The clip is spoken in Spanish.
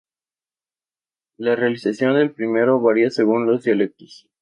La realización del primero varía según los dialectos.